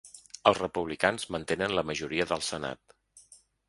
Els republicans mantenen la majoria del senat.